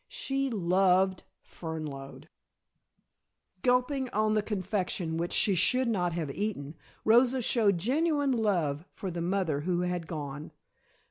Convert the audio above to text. She loved Fernlode." Gulping on the confection which she should not have eaten, Rosa showed genuine love for the mother who had gone.